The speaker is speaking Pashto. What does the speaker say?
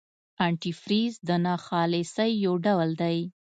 انتي فریز د ناخالصۍ یو ډول دی.